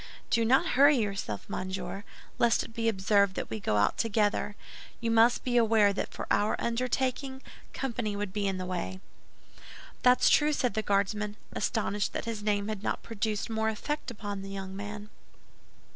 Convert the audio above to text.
"Do not hurry yourself, monsieur, lest it be observed that we go out together. You must be aware that for our undertaking, company would be in the way." "That's true," said the Guardsman, astonished that his name had not produced more effect upon the young man.